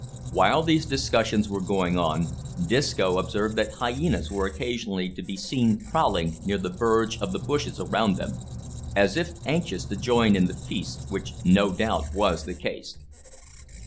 While these discussions were going on, Disco observed that hyenas were occasionally to be seen prowling near the verge of the bushes around them, as if anxious to join in the feast, which no doubt was the case.